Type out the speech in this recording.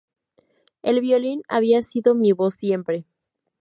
El violín había sido mi voz siempre.